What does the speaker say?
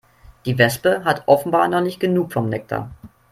Die Wespe hat offenbar noch nicht genug vom Nektar.